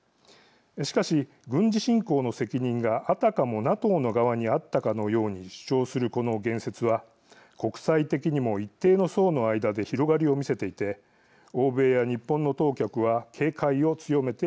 しかし軍事侵攻の責任があたかもＮＡＴＯの側にあったかのように主張するこの言説は国際的にも一定の層の間で広がりを見せていて欧米や日本の当局は警戒を強めています。